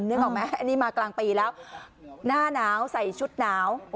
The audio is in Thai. นึกออกไหมอันนี้มากลางปีแล้วหน้าหนาวใส่ชุดหนาว